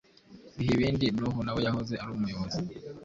Bihibindi Nuhu nawe yahoze ari umuyobozi